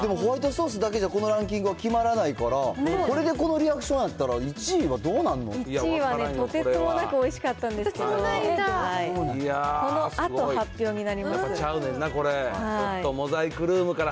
でもホワイトソースだけじゃ、このランキングは決まらないから、これでこのリアクションやったら、１位はどうなんの？１位はとてつもなくおいしかったんですけど、このあと発表にちゃうねんな、これ。